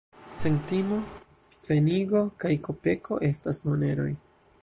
Centimo, pfenigo kaj kopeko estas moneroj.